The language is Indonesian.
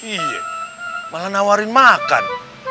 iya malah nawarin makan